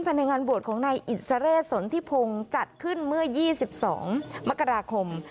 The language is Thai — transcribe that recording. ภายในงานบวชของนายอิสระเรศสนทิพงศ์จัดขึ้นเมื่อ๒๒มกราคม